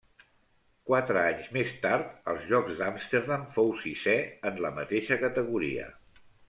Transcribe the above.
Quatre anys més tard, als Jocs d'Amsterdam, fou sisè en la mateixa categoria.